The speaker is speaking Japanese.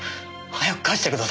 早く返してください。